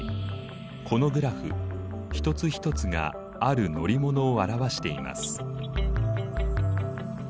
このグラフ一つ一つがある乗り物を表しています。